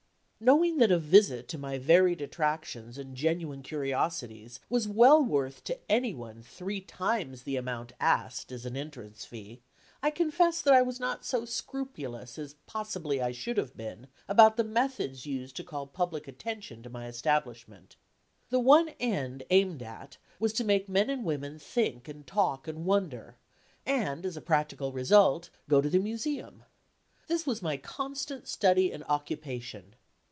Knowing that a visit to my varied attractions and genuine curiosities was well worth to any one three times the amount asked as an entrance fee, I confess that I was not so scrupulous, as possibly I should have been, about the methods used to call public attention to my establishment. The one end aimed at was to make men and women think and talk and wonder, and, as a practical result, go to the Museum. This was my constant study and occupation.